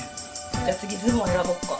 じゃあつぎズボンえらぼうか。